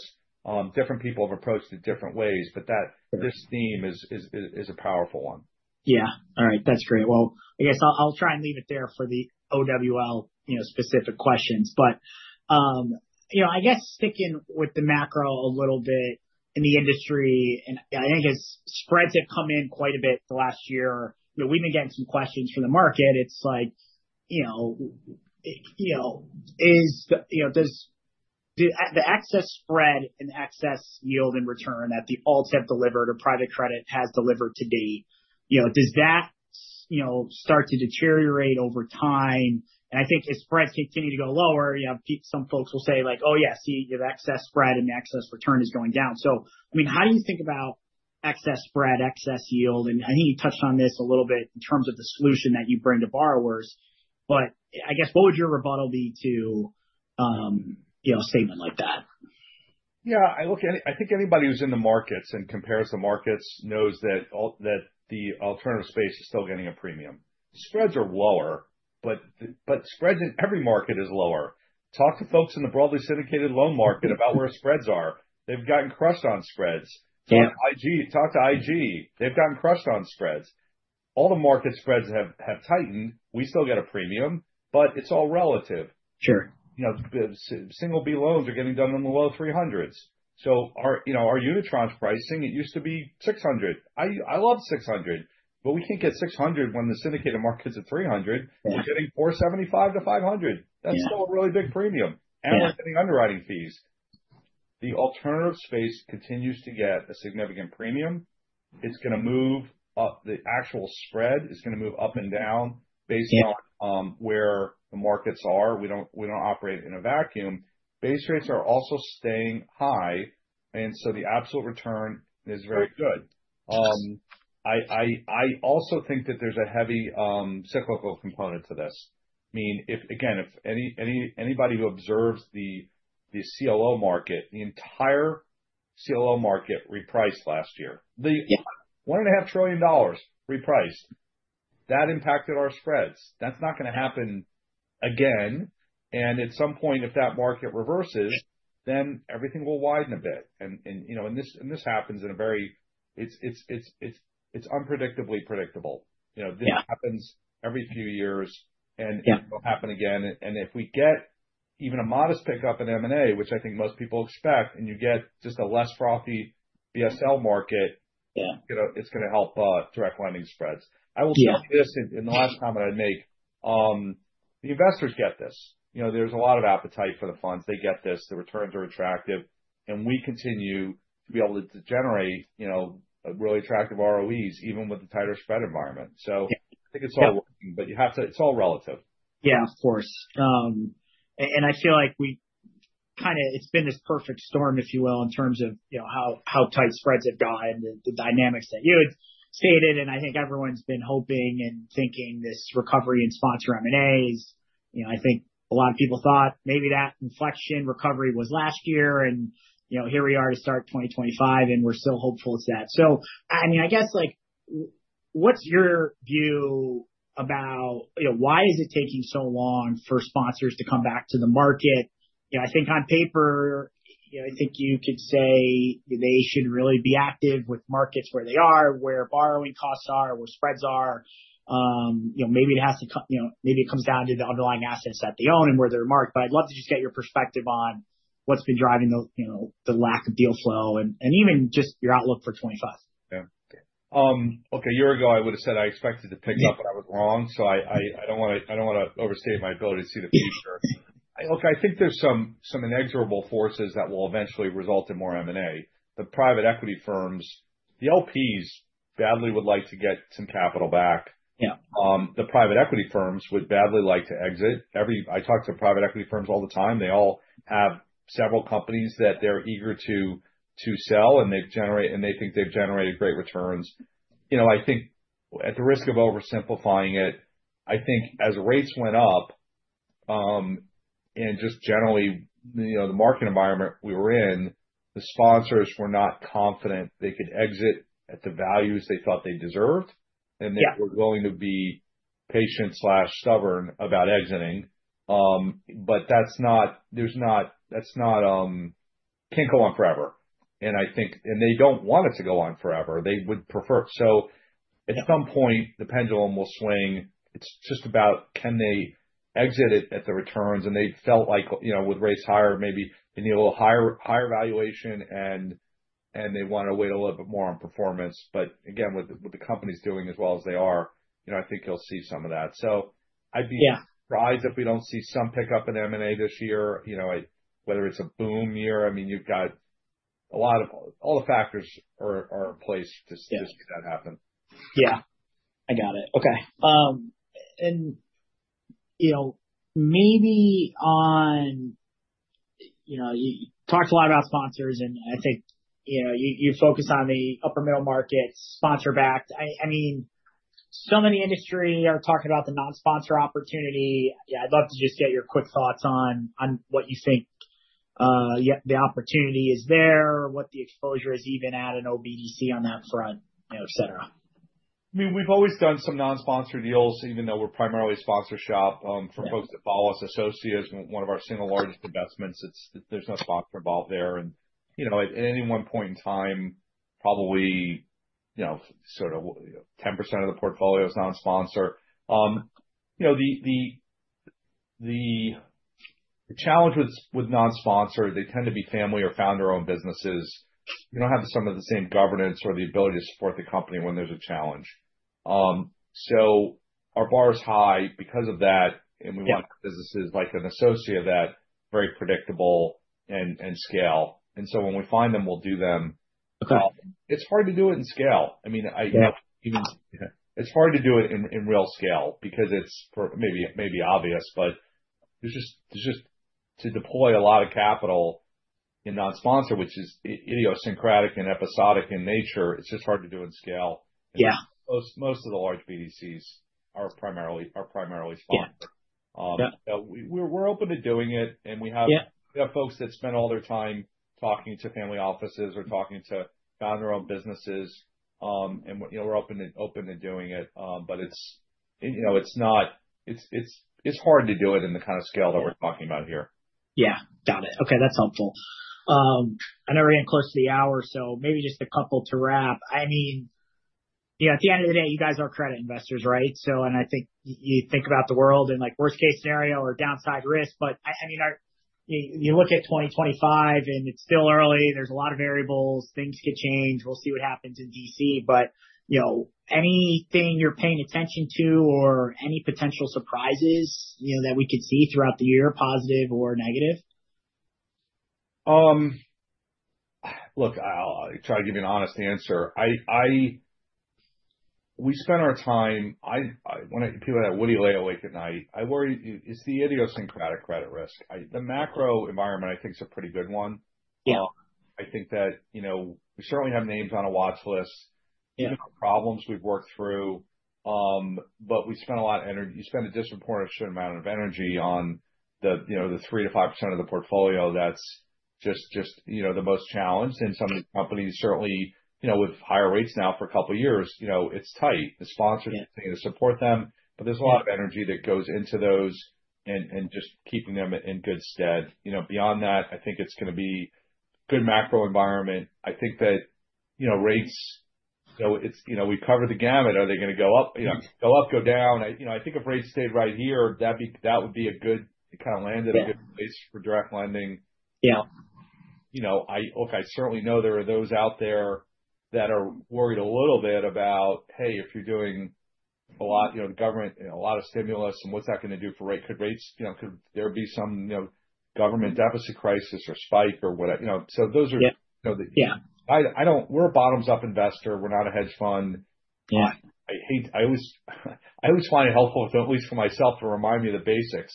Speaker 2: Different people have approached it different ways. But this theme is a powerful one.
Speaker 1: Yeah. All right. That's great. Well, I guess I'll try and leave it there for the OWL specific questions. But you know, I guess sticking with the macro a little bit in the industry, and I think as spreads have come in quite a bit the last year, you know, we've been getting some questions from the market. It's like, you know, is the, you know, does the excess spread and the excess yield and return that the alts have delivered or private credit has delivered to date, you know, does that, you know, start to deteriorate over time? And I think as spreads continue to go lower, you know, some folks will say like, "Oh yeah, see, you have excess spread and the excess return is going down." So I mean, how do you think about excess spread, excess yield? I think you touched on this a little bit in terms of the solution that you bring to borrowers. I guess what would your rebuttal be to, you know, a statement like that?
Speaker 2: Yeah. I think anybody who's in the markets and compares the markets knows that the alternative space is still getting a premium. Spreads are lower, but spreads in every market is lower. Talk to folks in the Broadly Syndicated Loan market about where spreads are. They've gotten crushed on spreads. Talk to IG. They've gotten crushed on spreads. All the market spreads have tightened. We still get a premium, but it's all relative.
Speaker 1: Sure.
Speaker 2: You know, single-B loans are getting done in the low 300s. So our, you know, our unitranche's pricing, it used to be 600. I love 600, but we can't get 600 when the syndicated markets are 300. We're getting 475-500. That's still a really big premium. And we're getting underwriting fees. The alternative space continues to get a significant premium. It's going to move up. The actual spread is going to move up and down based on where the markets are. We don't operate in a vacuum. Base rates are also staying high. And so the absolute return is very good. I also think that there's a heavy cyclical component to this. I mean, if again, if anybody who observes the CLO market, the entire CLO market repriced last year, the $1.5 trillion repriced, that impacted our spreads. That's not going to happen again. At some point, if that market reverses, then everything will widen a bit. You know, and this happens in a very, it's unpredictably predictable. You know, this happens every few years and it'll happen again. If we get even a modest pickup in M&A, which I think most people expect, and you get just a less frothy BSL market, it's going to help direct lending spreads. I will tell you this in the last comment I make. The investors get this. You know, there's a lot of appetite for the funds. They get this. The returns are attractive. We continue to be able to generate, you know, really attractive ROEs, even with the tighter spread environment. So I think it's all working, but you have to, it's all relative.
Speaker 1: Yeah, of course. And I feel like we kind of, it's been this perfect storm, if you will, in terms of, you know, how tight spreads have gone and the dynamics that you had stated. And I think everyone's been hoping and thinking this recovery and sponsor M&As, you know, I think a lot of people thought maybe that inflection recovery was last year and, you know, here we are to start 2025 and we're still hopeful it's that. So I mean, I guess like, what's your view about, you know, why is it taking so long for sponsors to come back to the market? You know, I think on paper, you know, I think you could say they should really be active with markets where they are, where borrowing costs are, where spreads are. You know, maybe it has to, you know, maybe it comes down to the underlying assets that they own and where they're marked. But I'd love to just get your perspective on what's been driving the, you know, the lack of deal flow and even just your outlook for 2025.
Speaker 2: Yeah. Okay. A year ago, I would have said I expected to pick up and I was wrong. So I don't want to overstate my ability to see the future. Look, I think there's some inexorable forces that will eventually result in more M&A. The private equity firms, the LPs badly would like to get some capital back. Yeah, the private equity firms would badly like to exit. I talk to private equity firms all the time. They all have several companies that they're eager to sell and they've generated, and they think they've generated great returns. You know, I think at the risk of oversimplifying it, I think as rates went up and just generally, you know, the market environment we were in, the sponsors were not confident they could exit at the values they thought they deserved. And they were willing to be patient, stubborn about exiting. But that can't go on forever. And I think they don't want it to go on forever. They would prefer. So at some point, the pendulum will swing. It's just about can they exit it at the returns? And they felt like, you know, with rates higher, maybe they need a little higher valuation and they want to wait a little bit more on performance. But again, with the company's doing as well as they are, you know, I think you'll see some of that. So I'd be surprised if we don't see some pickup in M&A this year. You know, whether it's a boom year, I mean, you've got a lot of, all the factors are in place to see that happen.
Speaker 1: Yeah. I got it. Okay. And you know, maybe on, you know, you talked a lot about sponsors and I think, you know, you focus on the upper middle markets, sponsor-backed. I mean, so many in the industry are talking about the non-sponsor opportunity. Yeah, I'd love to just get your quick thoughts on what you think the opportunity is there, what the exposure is even at in OBDC on that front, you know, etc.
Speaker 2: I mean, we've always done some non-sponsor deals, even though we're primarily a sponsor shop for folks that follow us, Associa, one of our single largest investments. There's no sponsor involved there. And you know, at any one point in time, probably, you know, sort of 10% of the portfolio is non-sponsor. You know, the challenge with non-sponsor, they tend to be family or founder-owned businesses. You don't have some of the same governance or the ability to support the company when there's a challenge. So our bar is high because of that and we want businesses like Associa that are very predictable and scale. And so when we find them, we'll do them. It's hard to do it in scale. I mean, it's hard to do it in real scale because it's maybe obvious, but it's just hard to deploy a lot of capital in non-sponsored, which is idiosyncratic and episodic in nature. It's just hard to do in scale. Most of the large BDCs are primarily sponsored. So we're open to doing it and we have folks that spend all their time talking to family offices or talking to founder-owned businesses. And you know, we're open to doing it. But it's, you know, it's hard to do it in the kind of scale that we're talking about here.
Speaker 1: Yeah. Got it. Okay. That's helpful. I know we're getting close to the hour, so maybe just a couple to wrap. I mean, you know, at the end of the day, you guys are credit investors, right? So, and I think you think about the world and like worst-case scenario or downside risk, but I mean, you look at 2025 and it's still early. There's a lot of variables. Things could change. We'll see what happens in D.C. But you know, anything you're paying attention to or any potential surprises, you know, that we could see throughout the year, positive or negative?
Speaker 2: Look, I'll try to give you an honest answer. We spend our time, when people that wouldn't lay awake at night, I worry, it's the idiosyncratic credit risk. The macro environment, I think, is a pretty good one. I think that, you know, we certainly have names on a watchlist, even the problems we've worked through. But we spend a lot of energy, you spend a disproportionate amount of energy on the, you know, the 3%-5% of the portfolio that's just, you know, the most challenged. And some of these companies, certainly, you know, with higher rates now for a couple of years, you know, it's tight. The sponsors are saying to support them, but there's a lot of energy that goes into those and just keeping them in good stead. You know, beyond that, I think it's going to be a good macro environment. I think that, you know, rates, you know, we've covered the gamut. Are they going to go up? You know, go up, go down. You know, I think if rates stayed right here, that would be a good, it kind of landed a good place for direct lending. Yeah. You know, look, I certainly know there are those out there that are worried a little bit about, hey, if you're doing a lot, you know, the government, a lot of stimulus and what's that going to do for rate? Could rates, you know, could there be some, you know, government deficit crisis or spike or whatever? You know, so those are, you know, the, yeah, we're a bottoms-up investor. We're not a hedge fund. I always find it helpful, at least for myself, to remind me of the basics.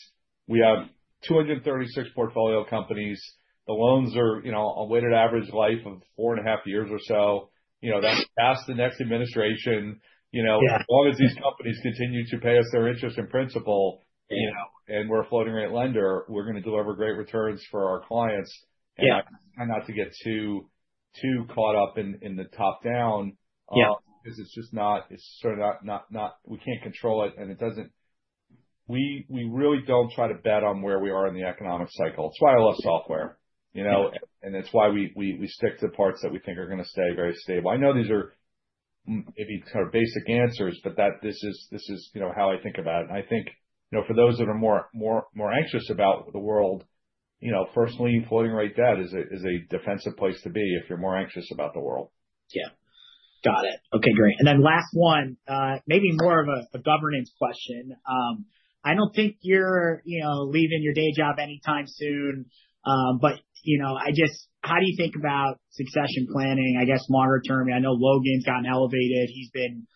Speaker 2: We have 236 portfolio companies. The loans are, you know, a weighted average life of 4.5 years or so. You know, that's past the next administration. You know, as long as these companies continue to pay us their interest and principal, you know, and we're a floating rate lender, we're going to deliver great returns for our clients. I try not to get too caught up in the top-down because it's just not, it's sort of not, we can't control it and it doesn't, we really don't try to bet on where we are in the economic cycle. It's why I love software, you know, and it's why we stick to the parts that we think are going to stay very stable. I know these are maybe kind of basic answers, but that this is, you know, how I think about it. I think, you know, for those that are more anxious about the world, you know, personally, floating rate debt is a defensive place to be if you're more anxious about the world.
Speaker 1: Yeah. Got it. Okay. Great. And then last one, maybe more of a governance question. I don't think you're, you know, leaving your day job anytime soon. But, you know, I just, how do you think about succession planning, I guess, longer term? I know Logan's gotten elevated. He's been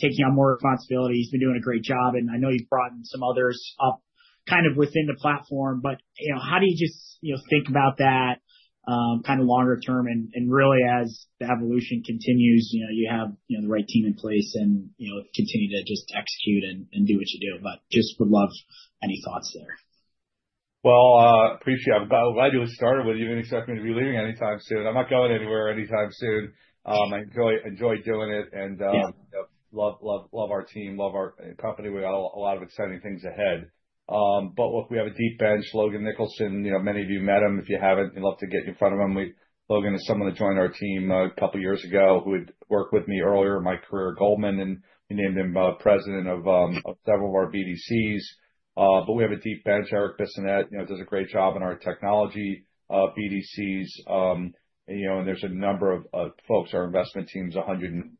Speaker 1: taking on more responsibility. He's been doing a great job. And I know you've brought in some others up kind of within the platform. But, you know, how do you just, you know, think about that kind of longer term? And really, as the evolution continues, you know, you have, you know, the right team in place and, you know, continue to just execute and do what you do. But just would love any thoughts there.
Speaker 2: Well, I appreciate it. I'm glad you started with even expecting me to be leaving anytime soon. I'm not going anywhere anytime soon. I enjoy doing it and, you know, love, love, love our team, love our company. We got a lot of exciting things ahead. But look, we have a deep bench, Logan Nicholson, you know, many of you met him. If you haven't, I'd love to get in front of him. Logan is someone that joined our team a couple of years ago who had worked with me earlier in my career, Goldman, and he named him president of several of our BDCs. But we have a deep bench, Erik Bissonnette, you know, does a great job in our technology BDCs. You know, and there's a number of folks, our investment teams, 100 and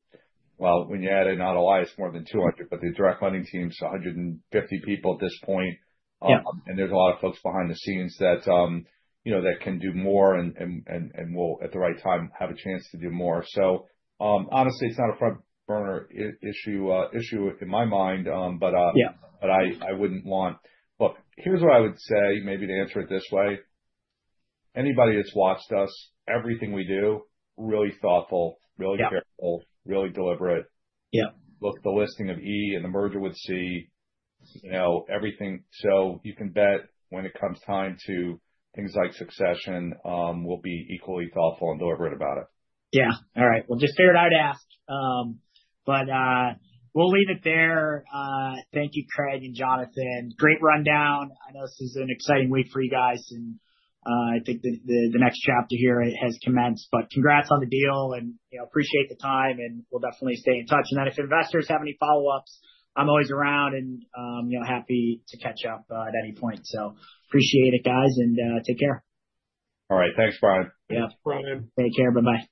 Speaker 2: well, when you add in Atalaya, more than 200, but the direct lending teams, 150 people at this point. And there's a lot of folks behind the scenes that, you know, that can do more and will, at the right time, have a chance to do more. So honestly, it's not a front-burner issue in my mind, but I wouldn't want, look, here's what I would say, maybe to answer it this way. Anybody that's watched us, everything we do, really thoughtful, really careful, really deliberate. Look, the listing of E and the merger with C, you know, everything. So you can bet when it comes time to things like succession, we'll be equally thoughtful and deliberate about it.
Speaker 1: Yeah. All right. Well, just figured out to ask. But we'll leave it there. Thank you, Craig and Jonathan. Great rundown. I know this is an exciting week for you guys and I think the next chapter here has commenced. But congrats on the deal and, you know, appreciate the time and we'll definitely stay in touch. And then if investors have any follow-ups, I'm always around and, you know, happy to catch up at any point. So appreciate it, guys, and take care.
Speaker 2: All right. Thanks, Brian.
Speaker 1: Yeah. Take care. Bye-bye.